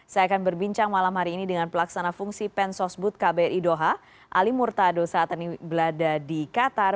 saya akan berbincang malam hari ini dengan pelaksana fungsi pensosbud kbr idoha ali murtado saat ini berada di qatar